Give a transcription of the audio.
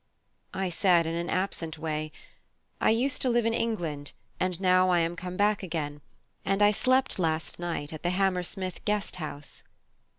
I said in an absent way: "I used to live in England, and now I am come back again; and I slept last night at the Hammersmith Guest House."